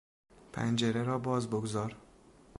پنجره را باز بگذار!